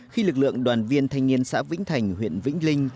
khi lực lượng đoàn viên thanh niên xã vĩnh thành huyện vĩnh linh